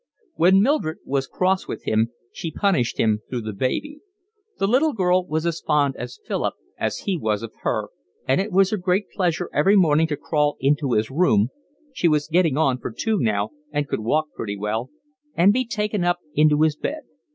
When Mildred was cross with him she punished him through the baby. The little girl was as fond of Philip as he was of her, and it was her great pleasure every morning to crawl into his room (she was getting on for two now and could walk pretty well), and be taken up into his bed.